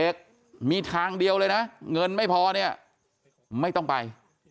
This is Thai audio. มีทางเดียวเลยนะเงินไม่พอเนี่ยไม่ต้องไป